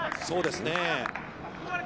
そうですね。